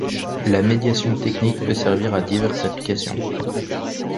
La médiation technique peut servir à diverses applications.